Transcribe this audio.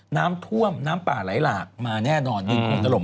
น้ำท่วมน้ำป่าไหลหลาก